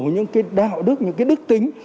những cái đạo đức những cái đức tính